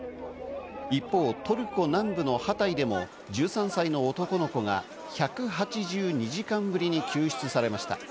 一方、トルコ南部のハタイでも１３歳の男の子が１８２時間ぶりに救出されました。